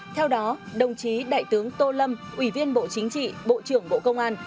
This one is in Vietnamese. theo đó đồng chí đại tướng tô lâm ủy viên bộ chính trị bộ trưởng bộ công an